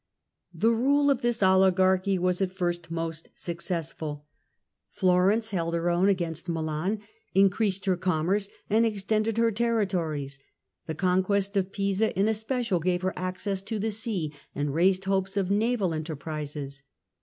The rule of this oligarchy was at first most suc cessful. Florence held her own against Milan, increased her commerce, and extended her territories ; the con quest of Pisa in especial gave her access to the sea, and raised hopes of naval enterprises.